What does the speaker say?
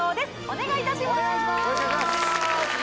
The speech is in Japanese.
お願いします